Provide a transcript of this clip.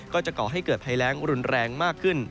ก่อให้เกิดภัยแรงรุนแรงมากขึ้น